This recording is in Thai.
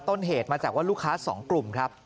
ต้นเหตุมาจากว่าลูกค้า๒กลุ่มครับ